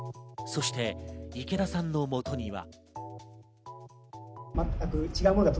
そして池田さんのもとには。